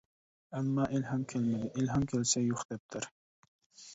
ئەمما ئىلھام كەلمىدى، ئىلھام كەلسە يوق دەپتەر.